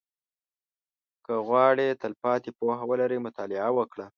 • که غواړې تلپاتې پوهه ولرې، مطالعه وکړه.